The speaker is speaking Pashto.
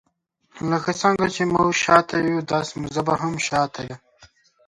لکه څنګه چې موږ شاته یو داغسي مو ژبه هم شاته ده.